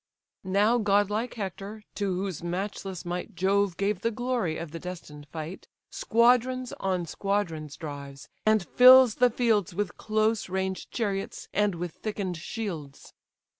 Now godlike Hector, to whose matchless might Jove gave the glory of the destined fight, Squadrons on squadrons drives, and fills the fields With close ranged chariots, and with thicken'd shields.